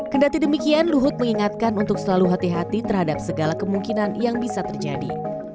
kendati demikian luhut mengingatkan untuk selalu hati hati terhadap segala kemungkinan yang bisa terjadi